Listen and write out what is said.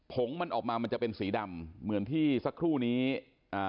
งมันออกมามันจะเป็นสีดำเหมือนที่สักครู่นี้อ่า